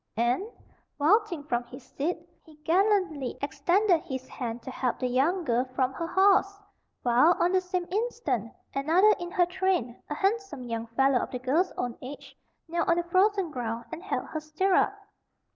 And, vaulting from his seat, he gallantly extended his hand to help the young girl from her horse; while, on the same instant, another in her train, a handsome young fellow of the girl's own age, knelt on the frozen ground and held her stirrup.